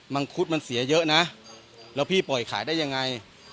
ังคุดมันเสียเยอะนะแล้วพี่ปล่อยขายได้ยังไง